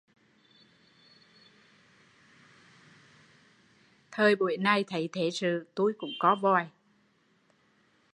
Thời buổi này thấy thế sự, tui cũng co vòi